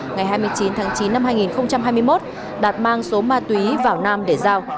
ngày hai mươi chín tháng chín năm hai nghìn hai mươi một đạt mang số ma túy vào nam để giao